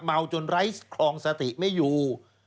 เมาจนไร้คลองสติไม่อยู่